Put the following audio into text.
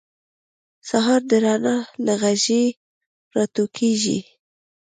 سهار د رڼا له غیږې راټوکېږي.